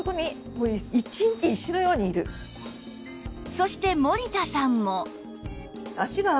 そして森田さんも